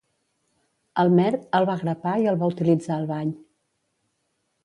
El MERC el va grapar i el va utilitzar al bany.